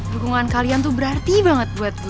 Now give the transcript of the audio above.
dukungan kalian tuh berarti banget buat gue